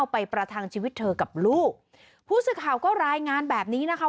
ไปประทังชีวิตเธอกับลูกผู้สื่อข่าวก็รายงานแบบนี้นะคะ